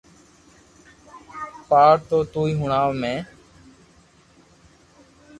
يار تو تو ھڻاو مين